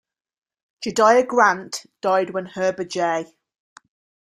Jedediah Grant died when Heber J.